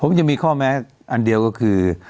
ผมยังมีข้อแม้อันเดียวก็คือ